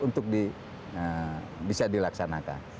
untuk bisa dilaksanakan